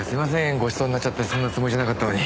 ごちそうになっちゃってそんなつもりじゃなかったのに。